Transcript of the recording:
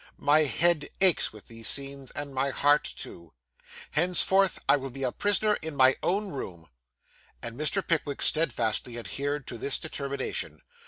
'My head aches with these scenes, and my heart too. Henceforth I will be a prisoner in my own room.' And Mr. Pickwick steadfastly adhered to this determination.